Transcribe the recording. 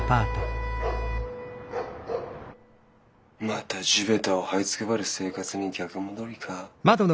また地べたをはいつくばる生活に逆戻りか。